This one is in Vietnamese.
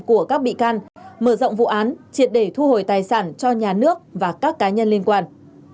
của các bị can mở rộng vụ án triệt để thu hồi tài sản cho nhà nước và các cá nhân liên quan